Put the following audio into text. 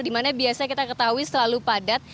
di mana biasa kita ketahui selalu padat